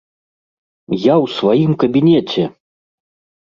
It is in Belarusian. Я ў сваім кабінеце!